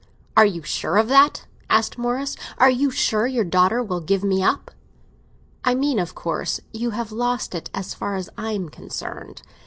"Are you sure of that?" asked Morris; "are you sure your daughter will give me up?" "I mean, of course, you have lost it as far as I am concerned.